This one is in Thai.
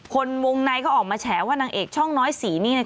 คนวงในเขาออกมาแฉว่านางเอกช่องน้อยสีนี่